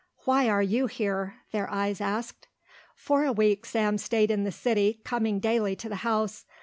"Why are you here?" their eyes asked. For a week Sam stayed in the city, coming daily to the house.